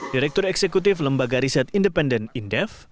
direktur eksekutif lembaga riset indepensial